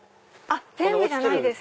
全部じゃないです。